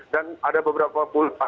dan ada beberapa pulsa